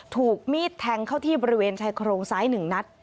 ถูกมีดแทงเข้าที่บริเวณชายโครงซ้าย๑นัด